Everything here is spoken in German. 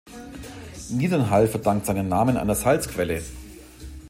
Niedernhall verdankt seinen Namen einer Salzquelle.